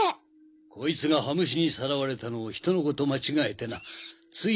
こいつが羽虫にさらわれたのを人の子と間違えてなつい